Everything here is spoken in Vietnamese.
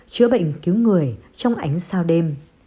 chữa bệnh cứu người trong ánh sao đêm